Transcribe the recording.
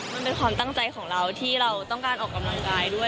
มันเป็นความตั้งใจของเราที่เราต้องการออกกำลังกายด้วย